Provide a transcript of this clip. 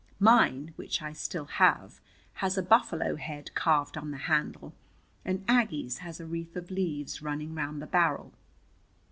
Mine, which I still have, has a buffalo head carved on the handle, and Aggie's has a wreath of leaves running round the barrel.